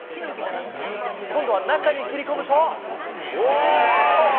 今度は中に切り込むと。